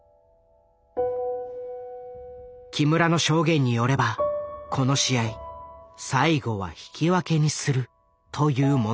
木村の証言によればこの試合最後は引き分けにするというものだった。